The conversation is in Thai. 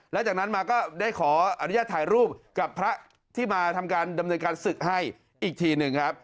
แล้วจากนั้นมาก็ได้ขออนุญาตถ่ายรูปกับพระที่มาทำการดำเนินการศึกให้อีกทีหนึ่งครับ